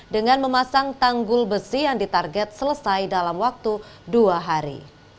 dengan memasang tanggul besi yang ditarget selesai dalam waktu dua hari